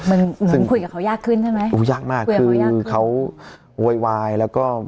มันเหมือนคุยกับเขายากขึ้นใช่ไหมโอ้ยากมากคือเขาโวยวายแล้วก็